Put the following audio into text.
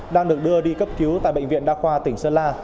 đang được đưa đi cấp cứu tại bệnh viện đa khoa tỉnh sơn la